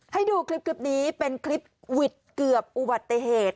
ให้ดูคลิปนี้เป็นคลิปวิดเกือบอุบัติเหตุ